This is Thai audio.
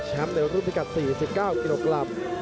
ทุกท่านท่านทุกท่านไปกันกันกันกันกัน